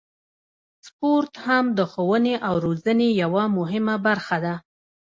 سپورت هم د ښوونې او روزنې یوه مهمه برخه ده.